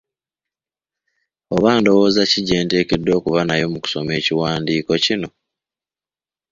Oba ndowooza ki gye nteekeddwa okuba nayo mu kusoma ekiwandiiko kino?